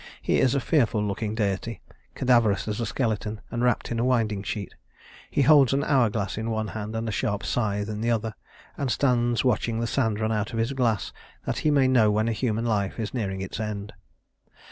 He is a fearful looking deity, cadaverous as a skeleton, and wrapped in a winding sheet. He holds an hourglass in one hand, and a sharp scythe in the other; and stands watching the sand run out of his glass that he may know when a human life is nearing its end.